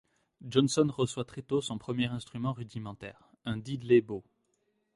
Johnson reçoit très tôt son premier instrument rudimentaire, un diddley bow.